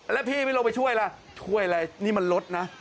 แล้วพี่ไม่ลงไปช่วยล่ะช่วยอะไรนี่มันรถนะ